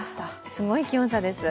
すごい気温差です。